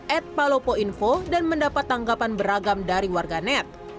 atpalopoinfo dan mendapat tanggapan beragam dari warganet